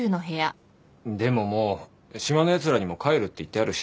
でももう島のやつらにも帰るって言ってあるし。